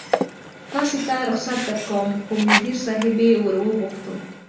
تاسې ته رخصت درکوم، خو مدیر صاحبې ور وغوښتو.